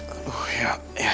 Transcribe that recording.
aduh ya ya ampun sayang